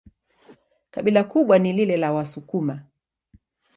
Kabila kubwa ni lile la Wasukuma.